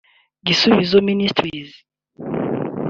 Gisubizo Ministries